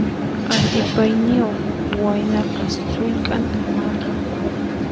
Atipayniyuq waynaqa sullk'anta maqan.